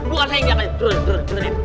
bukan saya yang diangkatin